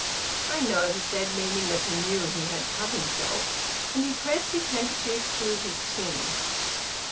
"I know," he said, meaning that he knew he had cut himself, and he pressed his handkerchief to his chin.